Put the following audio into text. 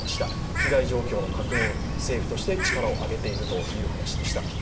被害状況の確認、政府として力を上げているという話でした。